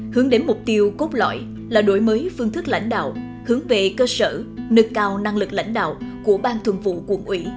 hướng đến mục tiêu cốt lõi là đổi mới phương thức lãnh đạo hướng về cơ sở nâng cao năng lực lãnh đạo của ban thường vụ quận ủy